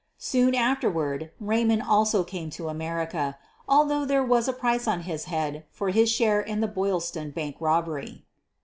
Soon afterward Raymond also came to America, although there was a price on his head for his share in the Boylston Bank robbery.